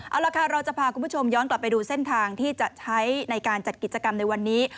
เอาละค่ะเราจะพาคุณผู้ชมย้อนกลับไปดูเส้นทางที่จะใช้ในการจัดกิจกรรมในวันนี้